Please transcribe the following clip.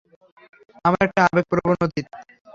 আমার একটা আবেগপ্রবণ অতীত আছে।